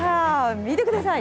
見てください！